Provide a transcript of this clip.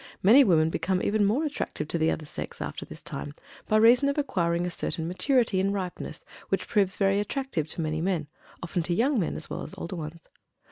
Many women become even more attractive to the other sex after this time, by reason of acquiring a certain maturity and "ripeness" which proves very attractive to many men often to young men as well as older ones.